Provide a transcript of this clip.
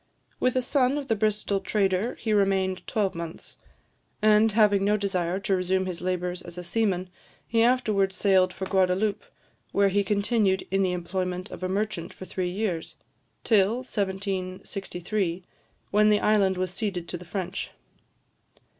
With a son of the Bristol trader he remained twelvemonths; and, having no desire to resume his labours as a seaman, he afterwards sailed for Guadaloupe, where he continued in the employment of a merchant for three years, till 1763, when the island was ceded to the French.